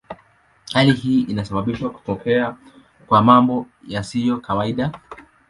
Hali hii inasababisha kutokea kwa mambo yasiyo kawaida.